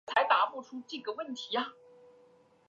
谢尔比县是美国爱阿华州西部的一个县。